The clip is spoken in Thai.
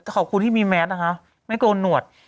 ขอบคุณที่มีแมสนะคะไม่โกนหนวด